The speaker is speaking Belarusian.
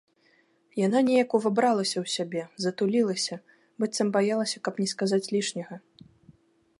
Яна неяк увабралася ў сябе, затулілася, быццам баялася, каб не сказаць лішняга.